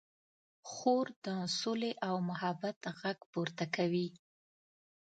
خور د سولې او محبت غږ پورته کوي.